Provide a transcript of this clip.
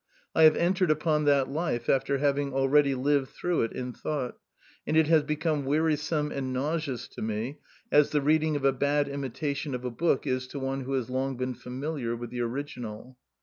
I have entered upon that life after having already lived through it in thought, and it has become wearisome and nauseous to me, as the reading of a bad imitation of a book is to one who has long been familiar with the original.